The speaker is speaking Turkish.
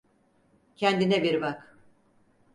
Kendine bir bak.